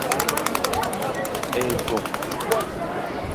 Edong.